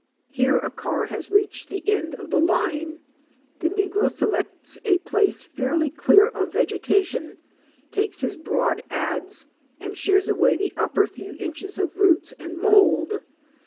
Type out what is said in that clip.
Here a car has reached the end of the line. The negro selects a place fairly clear of vegetation, takes his broad adze, and shears away the upper few inches of roots and mould.